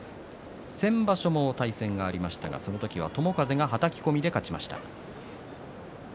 先場所も対戦がありましたがその時は友風がはたき込みで勝ちました。